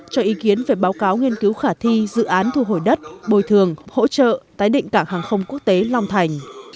cho ý kiến về báo cáo nghiên cứu khả thi dự án thu hồi đất bồi thường hỗ trợ tái định cảng hàng không quốc tế long thành